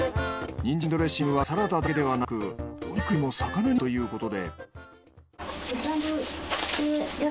ニンジンドレッシングはサラダだけではなくお肉にも魚にも合うということで。